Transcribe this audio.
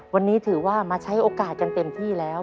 วันนี้ถือว่ามาใช้โอกาสกันเต็มที่แล้ว